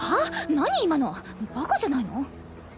何今の⁉バカじゃないの！